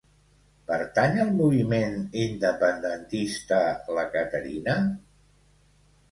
Pertany al moviment independentista la Caterina?